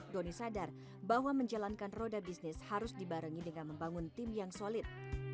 doni sadar bahwa menjalankan roda bisnis harus dibarengi dengan membangun tim yang solid